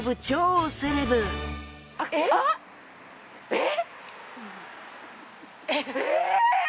えっ。